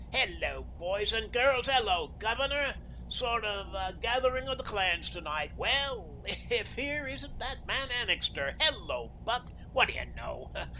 "Hello, boys and girls. Hello, Governor. Sort of a gathering of the clans to night. Well, if here isn't that man Annixter. Hello, Buck. What do you know?